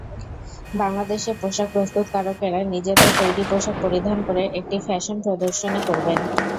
বাংলাদেশে পোশাক প্রস্তুতকারকেরা নিজেদের তৈরি পোশাক পরিধান করে একটি ফ্যাশন প্রদর্শনী করবেন।